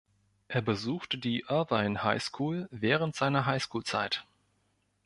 Er besuchte die Irvine High School während seiner High School Zeit.